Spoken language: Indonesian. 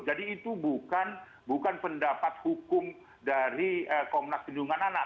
jadi itu bukan pendapat hukum dari komnas perlindungan anak